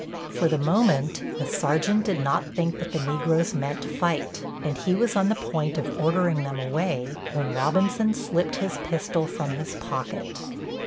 For the moment the sergeant did not think that the Negroes meant fight, and he was on the point of ordering them away when Robinson slipped his pistol from his pocket.